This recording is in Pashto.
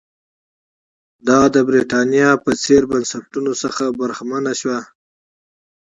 دا د برېټانیا په څېر بنسټونو څخه برخمنه شوه.